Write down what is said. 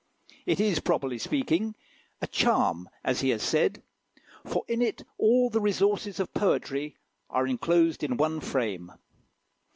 It is, properly speaking, a charm, as he has said, for in it all the resources of poetry are enclosed in one frame.